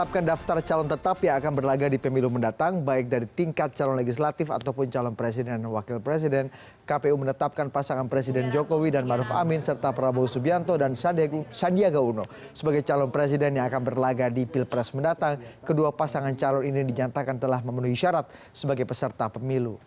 komisi pemiluan umum